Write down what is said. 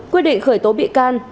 một quyết định khởi tố bị can